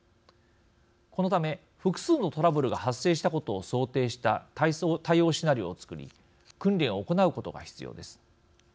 このため、複数のトラブルが発生したことを想定した対応シナリオを作り訓練を行うことが必要です。